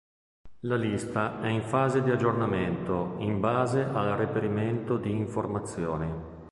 La lista è in fase di aggiornamento in base al reperimento di informazioni.